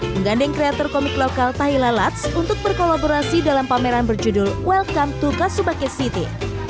menggandeng kreator komik lokal thaila lats untuk berkolaborasi dalam pameran berjudul welcome to casubake city